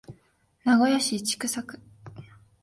名古屋市千種区